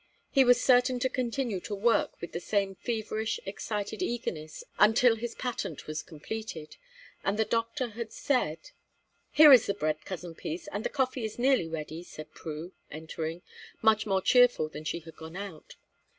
He was certain to continue to work with the same feverish, excited eagerness until his patent was completed, and the doctor had said "Here is the bread, Cousin Peace, and the coffee is nearly ready," said Prue, entering, much more cheerful than she had gone out.